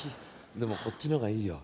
でもこっちの方がいいよ。